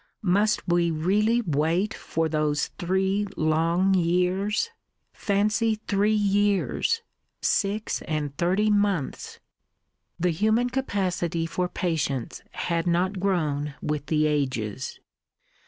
"Must we really wait for those three long years? Fancy three years six and thirty months!" The human capacity for patience had not grown with the ages.